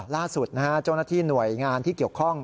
ล่าสุดนะฮะเจ้าหน้าที่หน่วยงานที่เกี่ยวข้อง